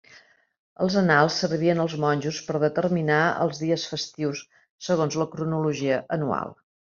Els annals servien als monjos per determinar els dies festius segons la cronologia anual.